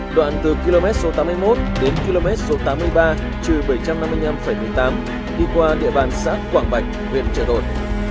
đoạn từ km số tám mươi một đến km số tám mươi ba chừ bảy trăm năm mươi năm một mươi tám đi qua địa bàn xã quảng bạch huyện trợ đồn